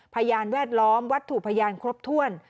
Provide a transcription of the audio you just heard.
พยานแวดล้อมวัตถุพยานครบถ้วน